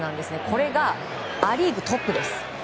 これがア・リーグトップです。